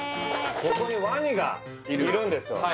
ここにワニがいるんですよ